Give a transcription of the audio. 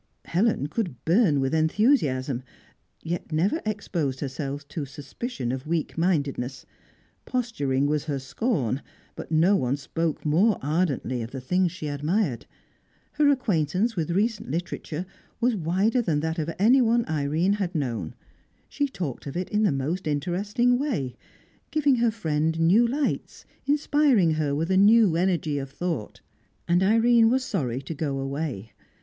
Helen could burn with enthusiasm, yet never exposed herself to suspicion of weak mindedness. Posturing was her scorn, but no one spoke more ardently of the things she admired. Her acquaintance with recent literature was wider than that of anyone Irene had known; she talked of it in the most interesting way, giving her friend new lights, inspiring her with a new energy of thought. And Irene was sorry to go away.